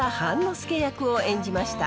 助役を演じました。